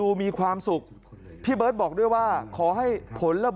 และก็มีการกินยาละลายริ่มเลือดแล้วก็ยาละลายขายมันมาเลยตลอดครับ